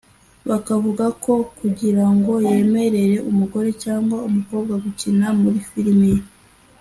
bakavuga ko kugira ngo yemerere umugore cyangwa umukobwa gukina muri filimi ye